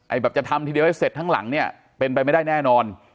แบบจะทำทีเดียวให้เสร็จทั้งหลังเนี่ยเป็นไปไม่ได้แน่นอน